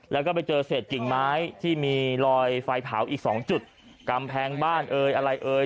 แล้วก็ไปเจอเศษกิ่งไม้ที่มีรอยไฟเผาอีกสองจุดกำแพงบ้านเอ่ยอะไรเอ่ย